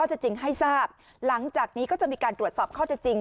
จะจริงให้ทราบหลังจากนี้ก็จะมีการตรวจสอบข้อเท็จจริง